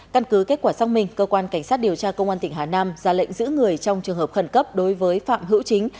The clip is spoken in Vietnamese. căn cứ kết quả xác minh cơ quan cảnh sát điều tra công an tỉnh hà nam ra lệnh giữ người trong trường hợp khẩn cấp đối với phạm hữu chính